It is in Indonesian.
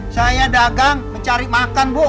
saya dagang mencari makan bu